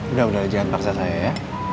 udah udah jangan paksa saya ya